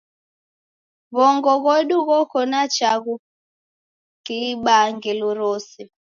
W'ongo ghodu ghoko na chaghu klibaa ngelo rose.